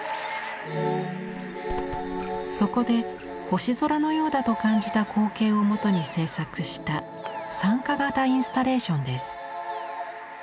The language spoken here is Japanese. そこで星空のようだと感じた光景をもとに制作した参加型インスタレーションです。